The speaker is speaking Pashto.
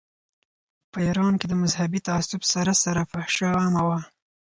په ایران کې د مذهبي تعصب سره سره فحاشي عامه وه.